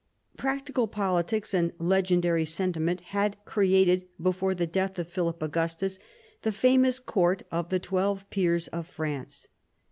Practical politics and legendary sentiment had created before the death of Philip Augustus the famous court of the twelve peers of France.